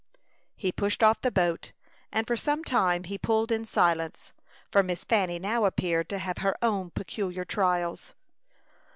He pushed off the boat, and for some time he pulled in silence, for Miss Fanny now appeared to have her own peculiar trials.